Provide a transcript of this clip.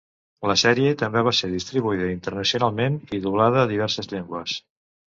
La sèrie també va ser distribuïda internacionalment i doblada a diverses llengües.